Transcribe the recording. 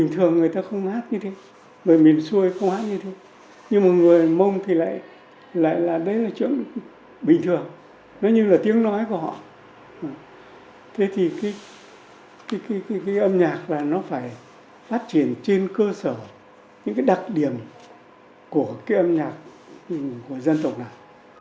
thế thì cái âm nhạc là nó phải phát triển trên cơ sở những cái đặc điểm của cái âm nhạc của dân tộc này